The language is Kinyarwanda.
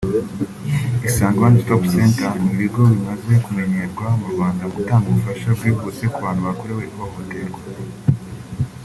Isange One Stop Center ni ibigo bimaze kumenyerwa mu Rwanda mu gutanga ubufasha bwihuse ku bantu bakorewe ihohoterwa